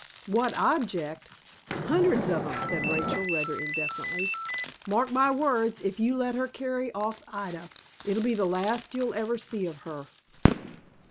"What object? Hundreds of 'em," said Rachel, rather indefinitely. "Mark my words, if you let her carry off Ida, it'll be the last you'll ever see of her."